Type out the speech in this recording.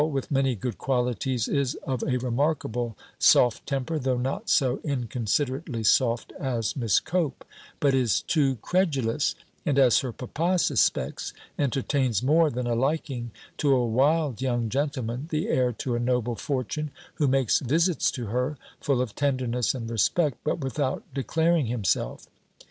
with many good qualities, is of a remarkable soft temper, though not so inconsiderately soft as Miss Cope: but is too credulous; and, as her papa suspects, entertains more than a liking to a wild young gentleman, the heir to a noble fortune, who makes visits to her, full of tenderness and respect, but without declaring himself.